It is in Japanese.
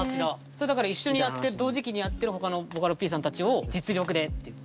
それだから一緒にやって同時期にやってる他のボカロＰさんたちを実力でっていう。